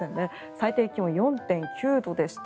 最低気温４．９度でした。